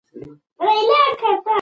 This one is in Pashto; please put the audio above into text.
ټیکنالوژي د بدلون لامل ګرځي.